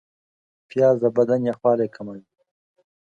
پیاز د بدن یخوالی کموي